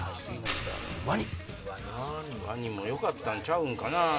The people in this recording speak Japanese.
ワニもよかったんちゃうんかな。